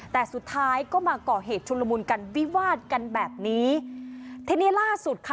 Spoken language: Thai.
แต่สุดท้ายก็มาก่อเหตุชุลมุนกันวิวาดกันแบบนี้ทีนี้ล่าสุดค่ะ